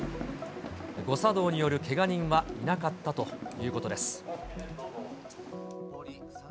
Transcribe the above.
誤作動によるけが人はいなかったということです。